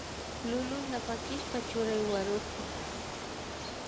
Lulunta pakishpa churay warukpi